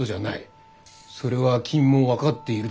それは君も分かっているだろう？